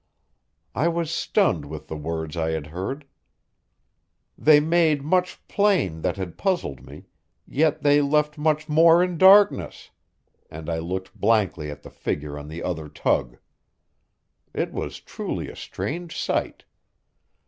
I was stunned with the words I had heard. They made much plain that had puzzled me, yet they left much more in darkness; and I looked blankly at the figure on the other tug. It was truly a strange sight.